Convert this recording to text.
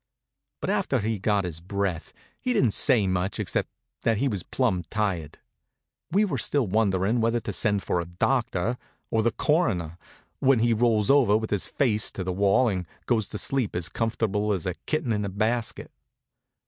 But after he got his breath he didn't say much except that he was plumb tired. We were still wonderin' whether to send for a doctor or the coroner, when he rolls over with his face to the wall and goes to sleep as comfortable as a kitten in a basket.